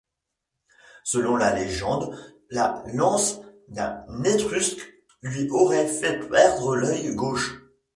Selon la légende, la lance d'un Étrusque lui aurait fait perdre l'œil gauche.